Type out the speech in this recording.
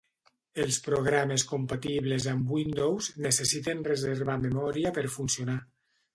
Els programes compatibles amb Windows necessiten reservar memòria per funcionar.